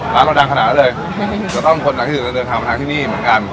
เท่าไหร่เป็นคนจากที่อื่นค่ะ